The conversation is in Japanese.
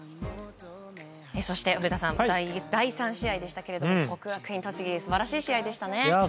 そして、古田さん第３試合でしたけれども国学院栃木素晴らしい試合でしたね。